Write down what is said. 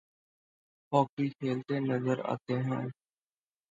hockey کھیلتے نظر آتے ہیں